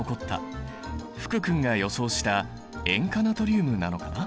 福君が予想した塩化ナトリウムなのかな？